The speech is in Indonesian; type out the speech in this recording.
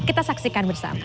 kita saksikan bersama